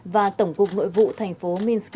và tổng cục nội vụ tp minsk